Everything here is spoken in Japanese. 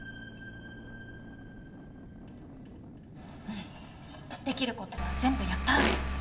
うんできることは全部やったはず。